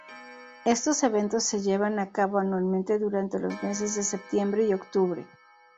Estos eventos se llevan a cabo anualmente durante los meses de septiembre y octubre.